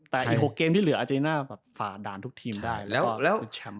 แต่อีก๖เกมที่เหลืออาเจน่าฝ่าด่านทุกทีมได้